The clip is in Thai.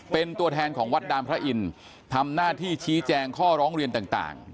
เป็นตัวแทนของวัดดามพระอินทร์ทำหน้าที่ชี้แจงข้อร้องเรียนต่าง